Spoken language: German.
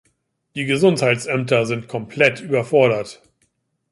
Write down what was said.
Die Gesundheitsämter sind komplett überfordert.